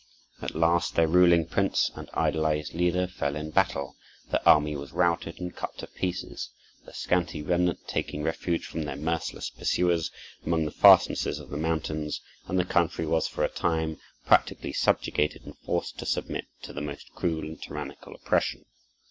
At last their ruling prince and idolized leader fell in battle, their army was routed and cut to pieces, the scanty remnant taking refuge from their merciless pursuers among the fastnesses of the mountains; and the country was for a time practically subjugated and forced to submit to the most cruel and tyrannical oppression.